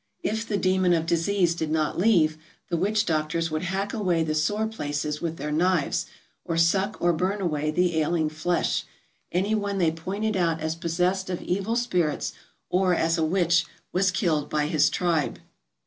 If the demon of disease did not leave, the witch doctors would hack away the sore places with their knives, or suck or burn away the 13 ALASKA OUR NORTHERN WONDERLAND ailing flesh. Any one they pointed out as possessed of evil spirits or as a witch was killed by his tribe.